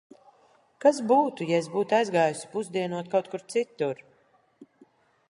Kas būtu, ja es būtu aizgājusi pusdienot kaut kur citur?